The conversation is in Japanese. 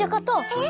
え？